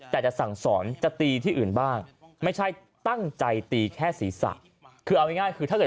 เอาอย่างง่ายคือถ้าเกิดจะสั่งสอนเวลาว่าตีเท่ามีตรงอื่น